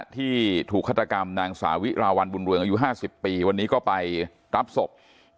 ที่ถูกฆาตกรรมนางสาวิราวัลบุญเรืองอายุ๕๐ปีวันนี้ก็ไปรับศพ